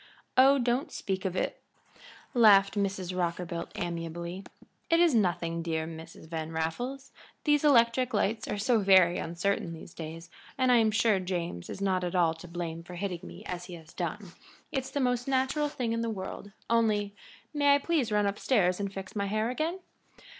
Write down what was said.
"Oh, don't speak of it," laughed Mrs. Rockerbilt, amiably. "It is nothing, dear Mrs. Van Raffles. These electric lights are so very uncertain these days, and I am sure James is not at all to blame for hitting me as he has done; it's the most natural thing in the world, only may I please run up stairs and fix my hair again?"